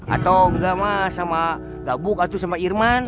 atau enggak mah sama gabung kaku sama irman